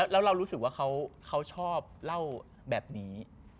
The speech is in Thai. แล้วเรารู้สึกว่าเขาชอบเล่าแบบนี้